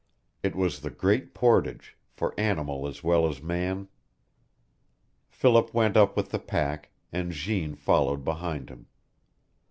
It was the Great Portage, for animal as well as man. Philip went up with the pack, and Jeanne followed behind him.